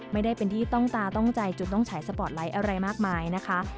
ไม่ได้เป็นที่ต้องตาต้องใจจุดต้องฉายสปอร์ตไลท์อะไรมากมายนะคะ